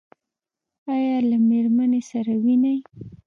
ایا له میرمنې سره وینئ؟